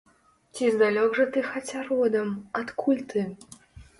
Ці здалёк жа ты хаця родам, адкуль ты?